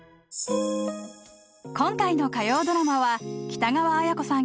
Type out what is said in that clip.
今回の火曜ドラマは北川亜矢子さん